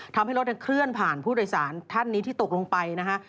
ทำให้รถเคลื่อนผ่านผู้โดยสารท่านนี้ที่ตกลงไปนะฮะ